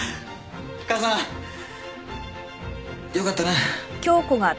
母さんよかったな。